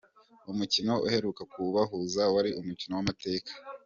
Umukino uheruka kubahuza wari umukino w'amateka.